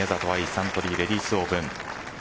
サントリーレディスオープン。